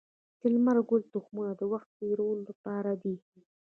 د لمر ګل تخمونه د وخت تیري لپاره دي.